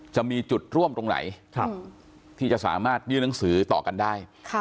จะมีจุดร่วมตรงไหนที่จะสามารถยื่นหนังสือต่อกันได้